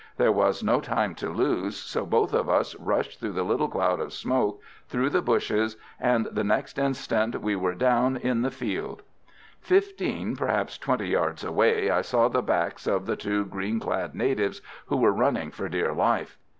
There was no time to lose, so both of us rushed through the little cloud of smoke, through the bushes, and the next instant we were down in the field. Fifteen, perhaps twenty, yards away I saw the backs of the two green clad natives who were running for dear life.